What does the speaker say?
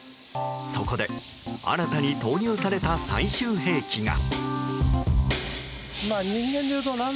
そこで新たに投入された最終兵器が。